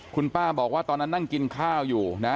คุณป้าบอกว่าตอนนั้นนั่งกินข้าวอยู่นะ